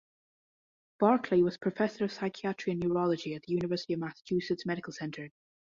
Barkley was professor of psychiatry and neurology at the University of Massachusetts Medical Center.